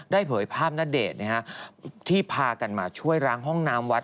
เผยภาพณเดชน์ที่พากันมาช่วยล้างห้องน้ำวัด